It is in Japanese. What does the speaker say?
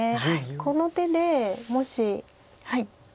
この手でもし。